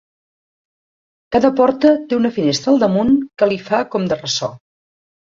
Cada porta té una finestra al damunt que li fa com de ressò.